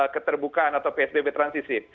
keterbukaan atau psbb transisi